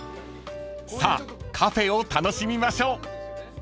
［さあカフェを楽しみましょう］